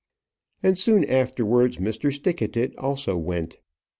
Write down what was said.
And soon afterwards Mr. Stickatit also went.